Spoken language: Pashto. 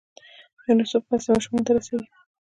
د یونیسف مرستې ماشومانو ته رسیږي؟